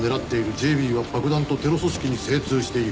「ＪＢは爆弾とテロ組織に精通している」